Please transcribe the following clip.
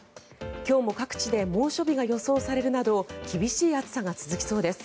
今日も各地で猛暑日が予想されるなど厳しい暑さが続きそうです。